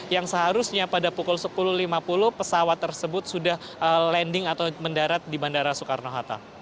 yang seharusnya pada pukul sepuluh lima puluh pesawat tersebut sudah landing atau mendarat di bandara soekarno hatta